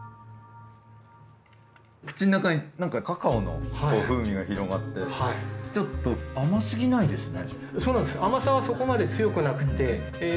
口の中に何かカカオの風味が広がってちょっと甘すぎないですね。